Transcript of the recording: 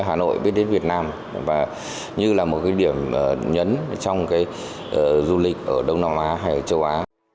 hà nội biết đến việt nam và như là một cái điểm nhấn trong cái du lịch ở đông nam á hay châu á